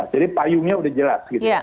jadi payungnya sudah jelas